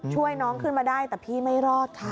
ช่วยน้องขึ้นมาได้แต่พี่ไม่รอดค่ะ